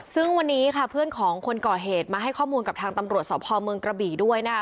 ซึ่งวันนี้ค่ะเพื่อนของคนก่อเหตุมาให้ข้อมูลกับทางตำรวจสพเมืองกระบี่ด้วยนะคะ